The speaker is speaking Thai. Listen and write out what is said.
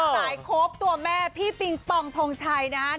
สายโค๊ปตัวแม่พี่ปิงปองทองชัยนะ